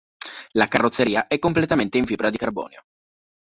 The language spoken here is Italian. La carrozzeria è completamente in fibra di carbonio.